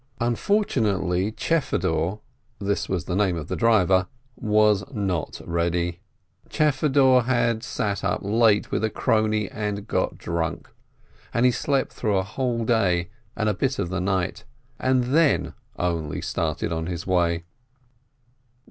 Unfortunately, Chfedor (this was the name of his driver) was not ready. Chfedor had sat up late with a crony and got drunk, and he slept through a whole day and a bit of the night, and then only started on his way.